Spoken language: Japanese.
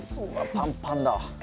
パンパンだわ。